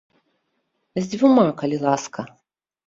З дзвюма, калі ласка!